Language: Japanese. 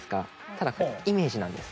ただイメージなんです。